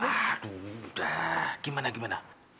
aduh udah gimana gimana